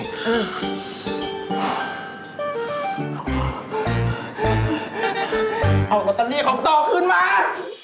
เอาลอตาลีของต่อขึ้นมา